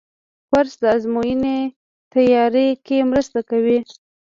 کورس د ازموینو تیاري کې مرسته کوي.